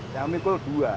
yang mikul dua